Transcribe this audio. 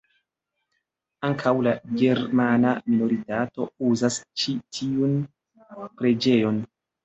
Ankaŭ la germana minoritato uzas ĉi tiun preĝejon.